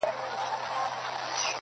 هغه اوس اوړي غرونه غرونه پـــرېږدي.